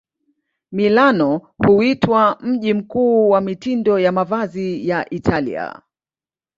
Milano huitwa mji mkuu wa mitindo ya mavazi ya Italia.